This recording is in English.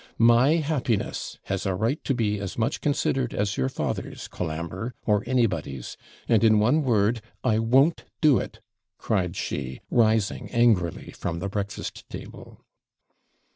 My happiness has a right to be as much considered as your father's, Colambre, or anybody's; and, in one word, I won't do it,' cried she, rising angrily from the breakfast table.